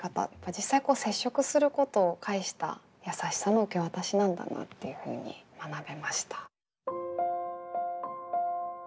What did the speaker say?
実際接触することを介したやさしさの受け渡しなんだなっていうふうに学べました。